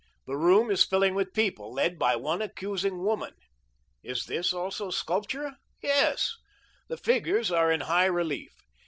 The room is filling with people, led by one accusing woman. Is this also sculpture? Yes. The figures are in high relief.